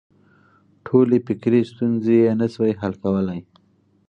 ټولې فکري ستونزې یې نه شوای حل کولای.